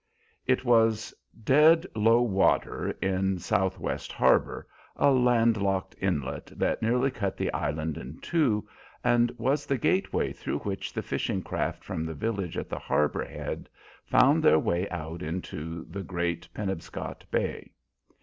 It was dead low water in Southwest Harbor, a land locked inlet that nearly cut the Island in two, and was the gateway through which the fishing craft from the village at the harbor head found their way out into the great Penobscot Bay.